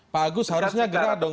pak agus harusnya gerak dong